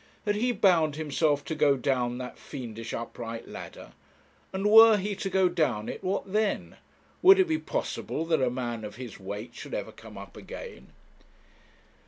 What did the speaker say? Had he bound himself to go down that fiendish upright ladder? And were he to go down it, what then? Would it be possible that a man of his weight should ever come up again?